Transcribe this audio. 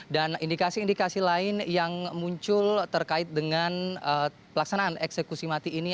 dan indikasi indikasi lain yang muncul terkait dengan pelaksanaan ekskusi mati ini